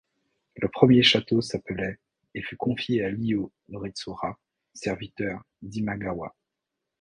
Le premier château s'appelait et fut confié à Iio Noritsura, serviteur d'Imagawa.